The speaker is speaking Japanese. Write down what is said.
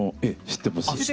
知ってます。